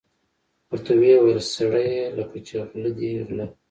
ورته ویې ویل: سړیه لکه چې غله دي غله.